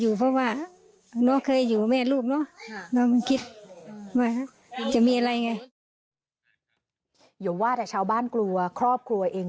อืมมมเราเองกลัวไม่เวลาอยู่กับทุกคน